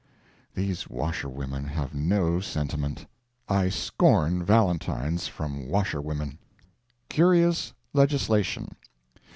These washerwomen have no sentiment. I scorn valentines from washerwomen. Curious Legislation.